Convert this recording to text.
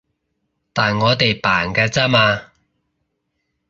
但我哋扮㗎咋嘛